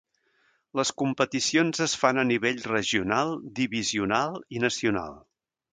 Les competicions es fan a nivell regional, divisional i nacional.